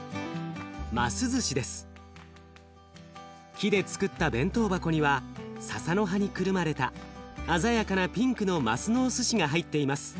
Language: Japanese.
木でつくった弁当箱にはささの葉にくるまれた鮮やかなピンクのマスのおすしが入っています。